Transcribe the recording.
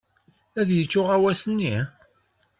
Ad yečč uɣawas-nni?